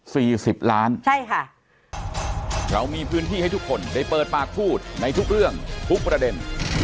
สิบล้านใช่ค่ะเรามีพื้นที่ให้ทุกคนได้เปิดปากพูดในทุกเรื่องทุกประเด็น